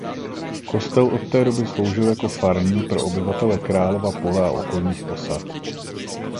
Kostel od té doby sloužil jako farní pro obyvatele Králova Pole a okolních osad.